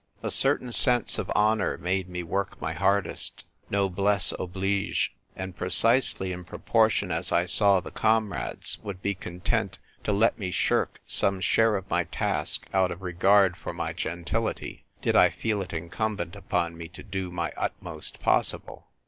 A certain sense of honour made me work my hardest. Noblesse oblige ; and precisely in proportion as 1 saw the comrades would be content to let me shirk some share of my task out of regard for my gentility, did I feel it incum bent upon me to do my utmost possible.